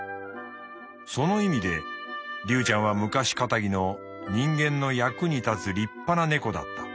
その意味でリュウちゃんは昔気質の人間の役に立つ立派な猫だった。